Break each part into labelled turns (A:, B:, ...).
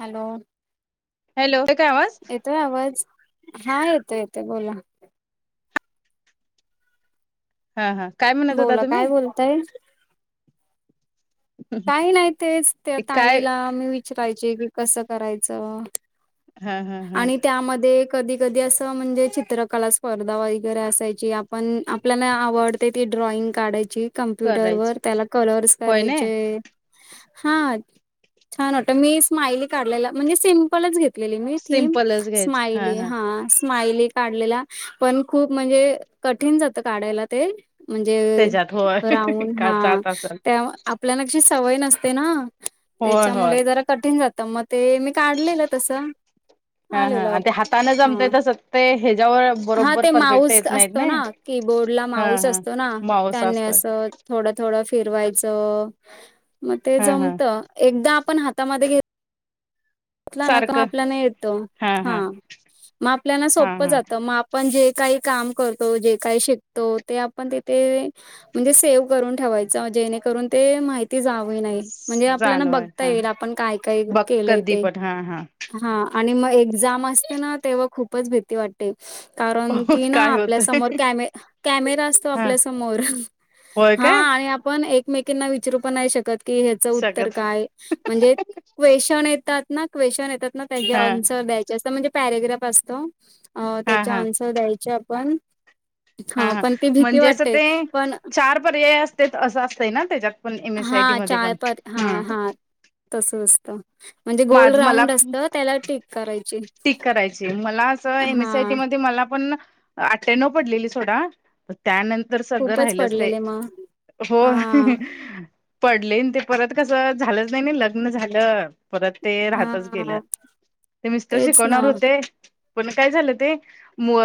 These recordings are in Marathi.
A: हॅलो
B: हॅलो हाय काय आवाज
A: येतोय आवाज हा येतोय येतोय बोला
B: हा हा काय म
A: बोला काय बोलताय काही नाही तेच त्या
B: ते काय
A: ताईला मी विचारयचे की कसं करायचं.
B: हा हा हा
A: आणि त्यामध्ये एक कधी कधी असं म्हणजे चित्रकला स्पर्धा वगैरे असायची आपण आपल्याना आवड ते ती ड्रॉइंग काढायची कम्प्युटर
B: करायच
A: वर त्याला कलर्स
B: होय
A: कराय
B: ना
A: हे हा छान वाटत मी स्मायली काढलेला म्हणजे सिमपलच घेत घेतलेली मि थीम स्मायली हा स्मायली काढलेला पण खूप म्हणजे कठीण जातं काढायला ते म्हणजे
B: त्याच्यात होय
A: राऊड
B: का
A: हा
B: जात असल
A: त्या म आप आपल्याना कशी सवय नसते ना
B: होय होय
A: त्याच्यामुले जरा कठीण जात मग ते मी काढलेलं तसं
B: हा हा
A: आलेलं
B: आणि ते हाताने जमतय
A: हा
B: तस ते ह्याच्यावर बरोबर परफेक्ट येत नाहीत नय
A: कीबोर्ड ला माऊस असतो ना त्यांनी
B: असतोय
A: असं थोडं थोडं फिरवायचं. म ते
B: हा हा
A: जमत एकदा आपण हातामध्ये घेत ला न का
B: सारखं
A: आपल्याला येत हा मग आपल्याला
B: हा
A: सोप
B: हा
A: जात म आप पण जे काही काम करतो जे काही शिकतो ते आपण तिथे म्हणजे सेव करून ठेवायचं जेणे करून ते माहिती जावें नाही म्हणजे आपल्याला
B: जाणवल
A: बघता
B: हा
A: येईल आपण काय काय
B: बघ
A: केलंय
B: कधी
A: ते
B: पण हा हा
A: हा आणि मग एक्झाम असते ना तेव्हा खूपच भीती वाट ते कारण की ना
B: काय
A: आपल्यासमोर
B: होतय
A: कॅमे कॅमेरा असतो
B: हा
A: आपल्यासमोर
B: होय
A: हा
B: काय
A: आणि आपण एक एकमेंकीना विचरू पण नाही शकत की ह्याचं उत्तर
B: शकत
A: काय म्हणजे क्वेशन येतात ना क्वेशन येतात ना त्या
B: हा
A: अन्सर द्यायचे असत म्हणजे पॅरेग्राफ असतो. अ
B: हा
A: त्याच्या
B: हा
A: आन्सर द्यायचे आपण
B: हा हा
A: पण ती भीती
B: म्हणजे असं
A: वाटते.
B: ते
A: पण
B: चार पर्याय असत्यात असं असतंय ना त्याच्यात पण एम एस आय टी
A: हा
B: मध्ये
A: चार
B: पण
A: पर
B: ह
A: हा हा तस असतं म्हणजे गोल
B: माझ मला
A: राऊंड असत त्याला ठीक करायची.
B: टिक करायची मला असं एम एस सी आय
A: हा
B: टी मध्ये मला पण अठ्ठयाण्णव पडलेली सोडा त्यानंतर सगळं
A: खूपच
B: राहिलच ते
A: पडलेले मग
B: हो
A: हा
B: पडले ते परत कसं झालंच नाही ना लग्न झालं. परत ते
A: हा
B: राहतच गेलं ते मिस्टर
A: तेच ना
B: शिकवणार होते पण काय झालं ते म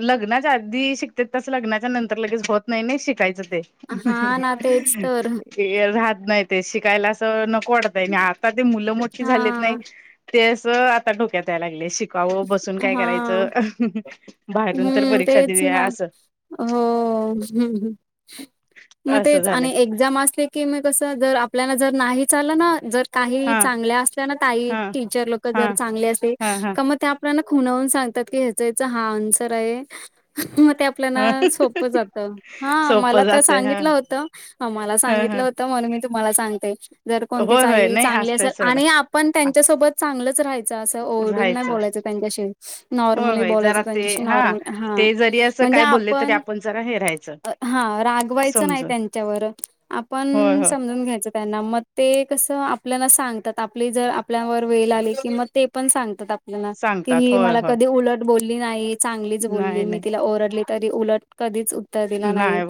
B: लग्नाच्या आधी शिकतेत तस लग्नाच्या नंतर लगेच होत नाही ना शिकायचं ते
A: हा ना तेच तर
B: [unintelligible] ते राहत नाही ते शिकायला असं नको वाटतय नी आता ते मुलं मोठी
A: हा
B: झालेत नाय ते असं आता डोक्यात यायला लागलय शिक का हो बसून काय
A: हा
B: करायचं बाहेरून तर
A: हम्म
B: परीक्षा
A: तेच
B: देऊया
A: ना
B: असं
A: हो हं मग
B: असं
A: तेच
B: झालंय
A: आणि एक एक्साम असले की म कस जर आपल्याना जर नाहीच आलं ना जर काही
B: हा
A: चांगल्या असल्या ना काही
B: हा
A: टीचर लोक
B: हा
A: जर चांगले असेल
B: हा हा
A: म ते आपल्याला खुनवून सांगतात की ह्याच ह्याच हा आन्सर आहे मग ते
B: ह
A: आपल्यान सोप जात हा
B: सोपं
A: मला तर
B: जातय हा
A: सांगितलं होत मला
B: ह ह
A: सांगितलं होत त म्हणून मी तुम्हाला सांगते, जर
B: होय
A: कोणतीच
B: होय
A: आई
B: नाही
A: चांगली
B: असतय
A: असेल
B: सोडं
A: आणि आ पण त्यांच्यासोबत चांगलंच राहायचं असं ओ
B: राहायचं
A: बोलायचं त्यांच्याशी,
B: होय
A: नॉर्मली
B: होय जरा
A: बोलायचं
B: ते
A: त्यांच्याशी
B: हा
A: नॉर्म हा
B: ते जरी असं
A: म्हणजे
B: काय बोलले तरी
A: आपण
B: जरा हे राहायचं
A: हा रागवायचं नाही
B: समजून
A: त्यांच्यावर,
B: होय
A: आपण
B: होय
A: सम जुन घ्यायच त्यांना मग ते कसं आपल्याला सांगतात, आपली जर आपल्यावर वेळ आली कि मग ते पण सांग तात आपल्याला, की
B: सांगतात
A: ही
B: होय
A: मला
B: होय
A: कधी उलट बोलली नाही चांगलीच
B: नाही
A: बोलली मी
B: नाही
A: तिला ओरडले तरी उलट कधीच उत्तर दिला नाही.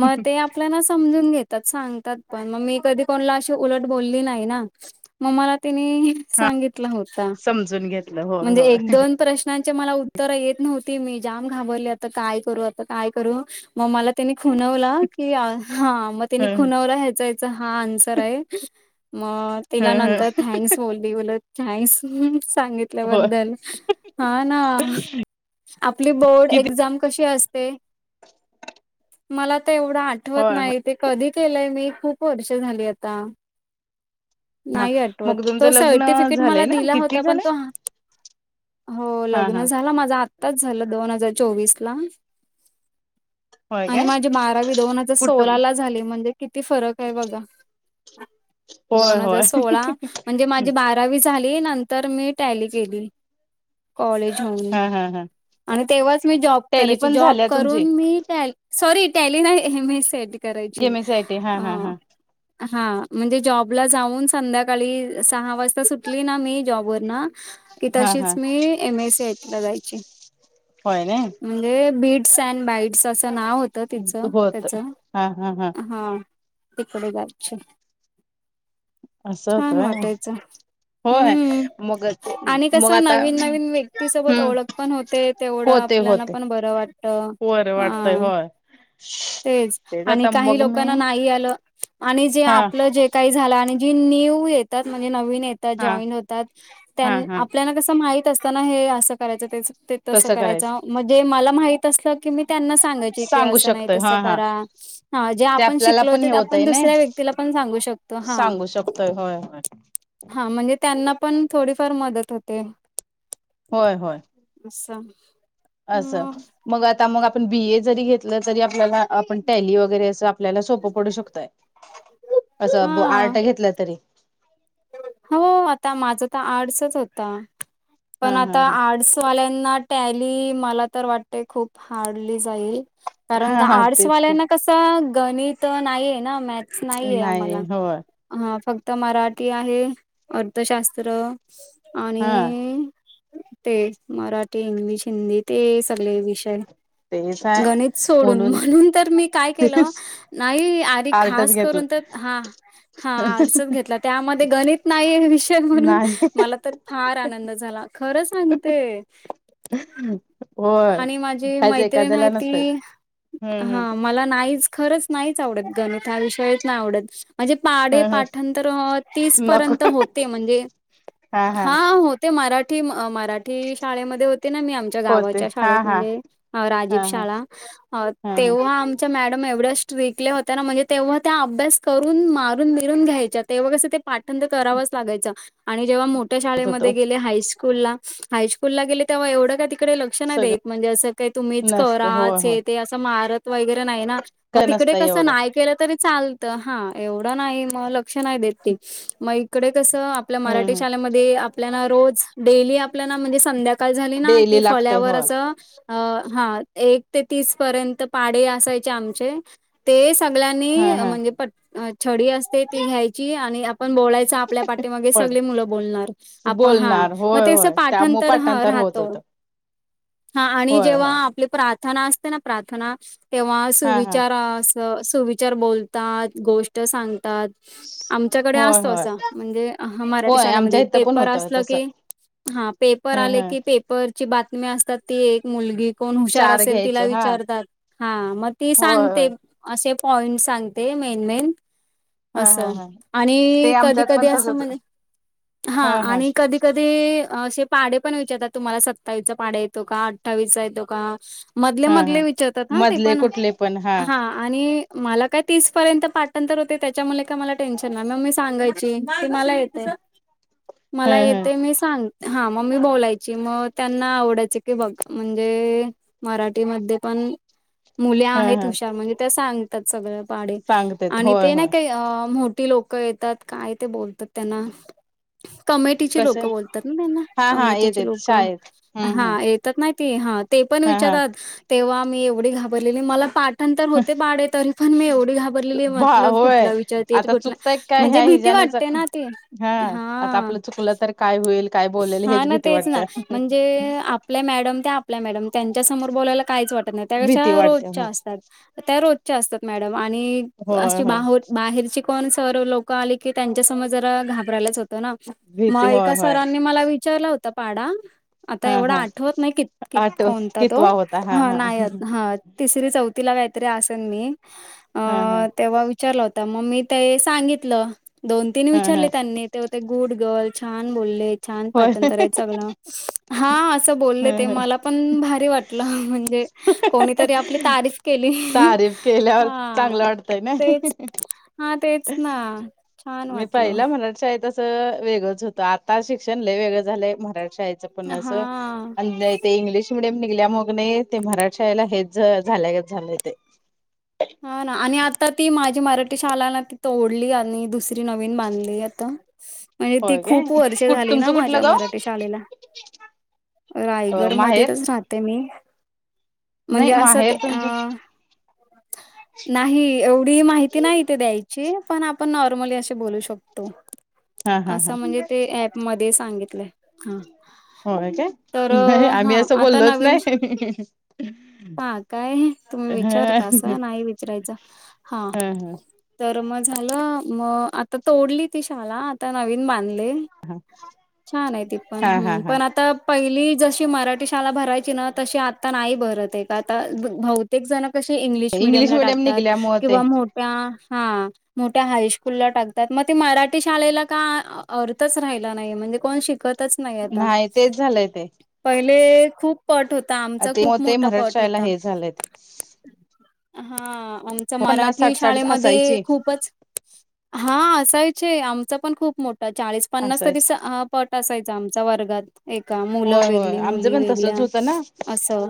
A: मग ते आपल्याला समजून घेत च सांगतात पण, मग मी कधी कोणाला अशी उलट बोलली नाही ना. मग मला तिनी
B: हा
A: सांगितलं होत
B: समजून घेत
A: म्हणजे एक दोन प्रश् श्नचे मला उत्तर येत नव्हती, मी जाम घाबरली आता काय करू आता काय करू? मग मला त्यानी खुनवला, की ह म तिने
B: ह
A: खुनवला ह्याचा ह्याचा हा आन्सर आहे. मग तिला
B: ह
A: नंतर थँक्स बोल मी बोलो थँक्स,
B: हो
A: सांगितल्याबद्दल. हा ना, आपली बोर्ड
B: किती
A: एक्झाम कशी असते? मला तर एवढं आठवत
B: होय होय
A: नाही, ते कधी केलंय मी खूप वर्ष झाली आता. नाही आठवत.
B: मग तुमचं
A: तो
B: लग्न
A: सर्टिफिकेट मला
B: झालंय ना
A: दिला होत
B: किती
A: पण
B: झालंय
A: तो, हो
B: हा हा
A: लग्न झाला माझा आ त्ताच झालं दोन हजार चोवीस ला.
B: होय
A: आणि
B: काय
A: माझी बारावी दोन हजार
B: कुठ
A: सोलाला झाली, म्हणजे किती फरक आहे बघा.
B: होय
A: दोन हजार
B: होय
A: सोळा, म्हणजे माझी बारा रावी झाली. नंतर मी टॅली केली कॉलेज होउन.
B: हा हा हा
A: आणि तेव्हाच मी जॉब
B: टॅली
A: करायची,
B: पण
A: जॉब
B: झाल्या तुमची
A: करून मी ट्या सॉरी टॅली नाही, M S C I T करायची
B: M S C I T हा
A: अ
B: हा हा
A: हा म्हणजे जॉबला जाऊन, संध्याकाळी सहा वाजता सुटली ना मी जॉबवरुन की
B: हा हा
A: तशीच मी, M S C I T ला जायची.
B: होय ना
A: म्हणजे बिट्स अँड बाईट्स अस नाव होतं तिचं
B: होत
A: त्याचं,
B: हा हा
A: हा तिकडे जायची.
B: असं होत
A: छान
B: व्हय
A: वाटायचं.
B: होय
A: हम्म
B: मग ते
A: आणि
B: मग
A: कसं
B: आता
A: नवीन नवीन
B: हम्म
A: व्यक्तीसोबत ओळख पण होते, तेवढं आपल्याला पण बरं वाट
B: बरं वाटतंय होय.
A: तेच, आणि
B: आता
A: काही
B: मग मी
A: लोकांना नाही आलं आणि जे
B: हा
A: आपलं जे काय झाला, आणि जी न्यू येतात म्हणजे नवीन येतात
B: हा
A: जॉईन होतात त्यां
B: हा हा
A: आपल्याला कसं माहित असतं ना, हे असं करायचं ते तसं करायचं म्हणजे मला माहित असत की मी त्यांना सांगायची की
B: सांगू
A: असं नाही
B: शकतोय
A: तसं
B: हा हा
A: करा, हा जे
B: ते
A: आपण
B: आपल्याला
A: शिकलोय
B: पण
A: ते
B: हे
A: आपण
B: होतय ना
A: दुसऱ्या व्यक्तीला पण सांगू शकतो, हा.
B: सांगू शकतोय होय होय
A: हा म्हणजे त्यांना पण थोडीफार मदत होते.
B: होय होय.
A: असं
B: असं,
A: मग
B: मग आता मग आपण बी ए जरी घेतलं तरी आपल्याला आपण टॅली वगैरे असं आपल्याला सोपं पडू शकतंय,
A: हा
B: असं आर्ट घेतलं तरी.
A: हो, आता माझं तर आर्टसच होता,
B: हा
A: पण आता
B: हा ह
A: आर्टस ल्यांना टॅली, मला तर वाटते खूप हार्डली जाईल. कारण
B: हा
A: का
B: हा
A: आर्टस्
B: तेच
A: वाल्यांना कसं गणित नाहीए ना, मॅथस नाहीये
B: नाही
A: आम्हाला
B: होय
A: हा फक्त मराठी ते आहे. अर्थशास्त्र
B: हा
A: आणि ते मराठी, इंग्लिश, हिंदी ते सगळे विषय.
B: तेच आहे
A: गणित सोडून, म्हणून तर मी काय केलं
B: तेच
A: नाही आरे
B: आर्टच
A: खास
B: घेतलं
A: करून तर, हा हा आर्ट्सच घेतला त्यामध्ये गणित नाही वि म्हणून
B: नाही
A: मला तर फार आनंद झाला खरं सांगते!
B: होय
A: आणि माझी
B: काहीच
A: मैत्रिण आहे
B: एखाद्याला नसतय
A: ती
B: हम्म हम्म
A: हा मला नाहीच खरंच नाहीच आवडत गणित हा विषय नाहीच आवडत माझे पाढे
B: हम्म
A: पाठांतर तीस
B: हम्म नको
A: पर्यंत होते म्हणजे, हा! हा होते मराठी मराठी शाळेमध्ये होते ना मी आ च्या
B: होते
A: गावाच्या
B: हा
A: शाळेत
B: हा
A: म्हणजे राजीव
B: हा हा
A: शाळा
B: हा हा
A: तेव्हा मॅडम एवढ ट्रिकली होत्या म्हणजे तेव्हा त्या अभ्यास करून मारून बीरून घ्यायच्या तेव्हा कस पाठांतर करावंच लागायच आणि जेव्हा मोठ्या
B: होतो
A: शाळेमध्ये गेले हायस ला हायस्कूल ला गेले तेव्हा एवढं तीकडे लक्ष नाही
B: सगळं
A: देत म्हणजे असं काही तुम्हीच
B: नसतं हो
A: कराच
B: हो
A: हे ते असं मारत वगैरे नाही ना. मग
B: काय
A: तिकडे
B: नसतं
A: कसं
B: एवढं
A: नाही केलं तरी चालत हा एवढं नाही मग लक्ष नाही देत ते. मग इकडे कसं आपल्या
B: हम्म
A: मराठी
B: हम्
A: शाळेमध्ये आपल्याला रोज डेली आपल्या म्हणजे संध्या का काळ झाली ना की
B: डेली लागतय
A: फळ्यावर
B: होय
A: असं अ हा एक ते तीस पर्यंत पाडे असायचे आमचे! ते
B: हा
A: सगळ्यांनी
B: हा
A: म्हणजे प छडी असते ती घ्यायची आणि बोलायचा आपल्या पाठीमागे
B: पड
A: सगळी मुलं बोलणार. आपण हा,
B: बोलणार
A: मग
B: होय
A: ते कसं
B: होय त्यामुळे
A: पाठांतर राहत.
B: होत होतं
A: हा आणि
B: होय
A: जेव्हा
B: होय
A: आपली प्रार्थना असते ना प्रार्थना तेव्हा
B: हा हा
A: सुविचार सुविचार बोलतात गोष्ट सांगतात आमच्या
B: होय
A: असतो
B: होय
A: अस म्हणजे मराठी
B: होय आमच्या
A: शाळेमध्ये
B: इथं पण
A: पेपर
B: होतं
A: असल
B: तसं
A: की हा पेपर
B: ह
A: आले
B: ह
A: की पेपरची बातमी असतात ती एक मुलगी कोण हुशार
B: चार
A: असेल तिला
B: घ्यायचं हा
A: विचारतात, हा मग ती
B: होय होय
A: सांगते. असे पॉइंट सांगते मेन मेन.
B: हा हा
A: असं.
B: हा! ते
A: आणि कधी
B: आमच्यात
A: कधी
B: पण
A: असं
B: तसच
A: म्हणजे, हा आणि कधी कधी असे पाडे पण विचारतात तुम्हाला सत्तावीस चा पाढा येतो का अठ्ठावीसचा येतो का? मधले
B: हा हा
A: मधले विचारतात हा ते
B: मधले
A: पण
B: कुठले पण
A: हा. आणि मला काय तीस पर्यंत पाटांतर होते त्याच्यामुळे का मला काय टेन्शन नाही मग मी सांगायची की मला येतंय
B: ह
A: मला,
B: ह
A: येतंय मी सांगते. हा मग मी बोलायची मग त्यांना आवडायच की बघा म्हणजे मराठीमध्ये पण मुली
B: ह
A: आहेत
B: ह
A: हुशार म्हणजे त्या सांगतात सगळ पाढे
B: सांगतेत
A: आणि
B: होय
A: ते नाही
B: होय
A: काही मो ठी लोक येतात काय ते बोलतात त्यांना? कमिटीचे
B: कसे
A: लोक बोलतात ना त्यांना
B: हा हा
A: कमिटीचे
B: येतेत
A: लोक
B: शाळेत हम्म
A: हा
B: हम्म
A: येता तात नाय ते, ते पण
B: हा
A: विचार
B: हा
A: तेव्हा मी एवढ घाबरली मला पा ठांतर होते पाढे तरी पण मी एवढी घाबरलेली
B: भा
A: म्हटल
B: होय
A: कुठला विचारतिल
B: आता चुकतय काय
A: म्हणजे
B: ह्या
A: भीती
B: हिजानेच
A: वाटते ना ते,
B: हा आता
A: हा.
B: आपलं चुकलं तर काय होईल काय बोलेल
A: हा
B: हेच
A: ना
B: भीती
A: तेच ना
B: वाटते.
A: म्हणजे आपल्या मॅडम त्या आपल्या मॅडम त्यांच्या समोर बोलायला काहीच वाटत नाही त्या
B: भीती
A: कशा
B: वाटते हो
A: रोजच्या असतात. त्या रोजच्या असतात मॅडम आणि
B: होय
A: अशी
B: होय
A: बाहेरची. कोण सर लोक आली की त्यांच्या समोर जरा घाबरायच होतं ना,
B: भीती
A: मग
B: होय
A: एका
B: होय
A: सरांनी मला विचारला होता पाढा आता
B: हा
A: एवढं
B: हा
A: आठवत नाही क क
B: आठव
A: कोणता तो
B: कितवा होता हा
A: ह
B: हा हा
A: नाहीत तिसरी चौथीला काहीतरी असेन मी. अ
B: हा हा!
A: तेव्हा विचारला होता मग मी ते सांगितलं दोन तीन
B: हा हा
A: विचारले त्यांनी. ते ते गुड गर्ल छान बोलले. छान
B: होय
A: पाठांतर आहे सगळ, हा असं बोलले ते
B: ह
A: मला पण भारी वाटलं म्हणजे कोणीतरी आपली तारीफ केली
B: तारीफ केल्यावर
A: हा
B: चांगलं वाटतय ना
A: तेच.. हा तेच ना छान
B: मी
A: वाटल...
B: पहिला मराठी शाळेत वेगळंच होत आता शिक्षण लय वेगळं झालंय मराठी शाळेचं पण अस...
A: हा.
B: ते इंग्लिश मिडियम निघल्यामुळे मग नाही ते मराठीशाळेला हेच झाल्याच झालंय ते..
A: हा ना आणि आता ती माझी मराठी शालाना ती तोडली आणि दुसरी.... नवीन बांधली आता.... आणि ती
B: होय
A: खूप
B: काय
A: वर्षे
B: कुठ
A: झाली ना
B: तुमचं
A: माझ्या
B: कुठलं गाव
A: मराठी शाळेला...
B: अ
A: रायगड
B: माहेर
A: मध्येच राहते मी म्हणजे
B: नाही
A: असं ते
B: माहेर तुमचं
A: अं..... नाही एवढी माहिती नाही ते द्यायची पण आपण नॉर्मली असे बोलू शकतो....
B: हा हा हा
A: असं म्हणजे ते ऍप मध्ये सांगितलंय ह.....
B: होय का नाही आम्ही असं बोललोच
A: नवीन
B: नाही.....
A: हा काय तुम्ही विचारता अस
B: ह
A: नाही विचरायच हा.... तर मग झालं मग आता तोडली ती शाला आता नवीन बांधली.... छान आहे ते पण
B: हा हा
A: हम्म
B: हा
A: पण आता.... पहिली जशी मराठी शाळा भरायची ना तशी आता नाही भरत आहे का आता बहुतेक जण कशी इंग्लीश... मडियम
B: इंग्लिश
A: ला
B: मिडियम
A: टाकतात
B: निघल्यामुळे ते
A: किंवा मोठ्या हा... मोठ्या हायस्कूलला टाकतात मग ते मराठी शाळेला का अर्थच राहिला नाही म्हणजे कोण शिकत..... च नाही आता
B: तेच झालंय ते
A: पहिले खूप.... पट होता आमचा खूप मोठा पट होता....
B: झालेत...
A: हा आमच
B: पन्नास
A: मराठी
B: साठ साठ
A: शाळेमध्ये
B: असायची
A: खूपच.... हा असा चे आमचा पण खूप मोठा चाळीस पन्नास
B: असायची
A: तरी... पट असायच आमच्या वर्गात... एका मुलं
B: होय होय
A: वेगळी
B: आमचं
A: मुली
B: पण
A: वेगळ्या
B: तसच होत ना
A: असं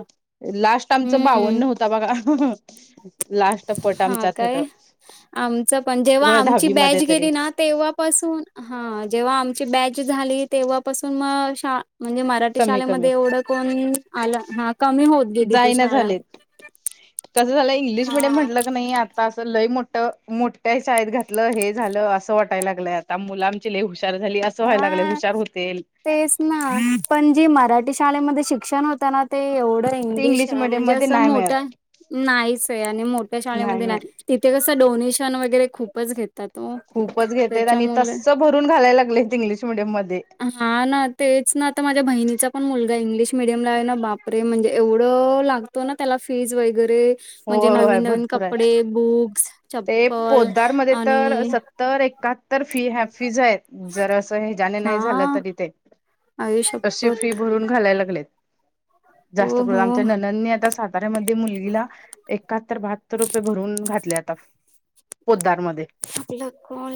B: लास्ट आमच
A: हम्म
B: बावन्न होत... त बघा हा हा....
A: हा काय आमच पण जेव्हा
B: होय
A: आमची
B: दहावी मध्ये
A: बॅच
B: तरी
A: गेली ना तेव्हा.... जेव्हा आमची बच झाली तेव्हाून म म्हणजे... मराठी
B: कमी
A: शाले
B: कमी
A: मध्ये एवढ कोण आल कमी होत... गेली ती
B: जाइना
A: शाळा
B: झालेत कसं झालं इंग्लिश मिीडियम
A: हा
B: म्हटल कनी... आता असं लय मोठ्या शळेत घातलं हे झालं असं वाटायला लागलंय आता आमची मुल लय हुशार झाली.... ं व्हाय लागय
A: हा
B: हुशार होतील...
A: तेच ना पण जी मराठी शाळेमध्ये शिक्षण होत ना.... ते एवढं
B: ते
A: इंग्लिश
B: मिडियम
A: म्हणजे
B: मध्ये
A: असं
B: नाही
A: मोठ्या
B: मिळत
A: नाहीच आहे आणि मोठ्या शाळेमध्ये नाही... तिथे कस डोनेशन वगैरे खूपच घेतात ओ...
B: खुपच घेत आणि
A: त्याच्यामुळे
B: तसं भरून घालायला लागलेत इंग्लिश मिडियम मध्ये.....
A: हा ना तेच ना आता माझ्या बहिणीचा पण मुलगा इंग्लिश मिडियम ला आहे ना बापरे म्हणजे एवढं लागत... तो ना त्याला फीज वगैरे... म्हणजे
B: होय
A: नवीन
B: होय
A: नवीन
B: भरपूर आहे
A: कपडे, बुक्स,
B: ते
A: चप्पल
B: पोद्दारमध्ये
A: आणि.....
B: तर एकाहत्तर फी ह फीज आहे जर असं हजने
A: हा
B: नाही झालं तरी ते.....
A: आई
B: आता शिपाती
A: शपथ
B: भरून घालायला लागलेत
A: हो
B: जास्त करून
A: हो
B: आमच्या ननांनी आता सा..... अरे मध्ये मुलगीला..... एकाहत्तर बहात्तर रुपये भरून घातले आता पोद्दारमध्ये...
A: आपला कोण?......